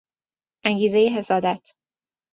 انگیزهی حسادت